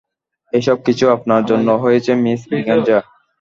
এই সব কিছুই আপনার জন্য হয়েছে মিস ব্রিগাঞ্জা।